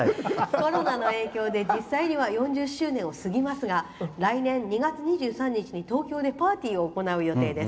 「コロナの影響で実際には４０周年を過ぎますが来年２月２３日に東京でパーティーを行う予定です。